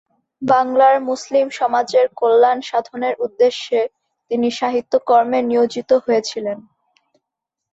বাংলার মুসলিম সমাজের কল্যাণ সাধনের উদ্দেশ্যে তিনি সাহিত্যকর্মে নিয়োজিত হয়েছিলেন।